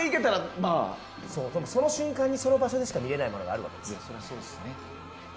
その瞬間にその場所でしか見れないものがあるわけですよ。